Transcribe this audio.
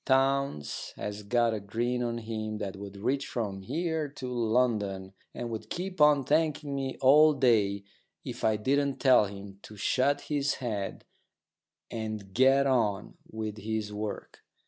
Townes has got a grin on him that would reach from here to London, and would keep on thanking me all day if I didn't tell him to shut his head and get on with his work.